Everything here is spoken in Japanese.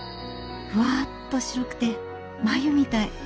ふわっと白くて繭みたい。